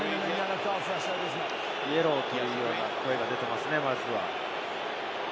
イエローという声が出ていますね、まずは。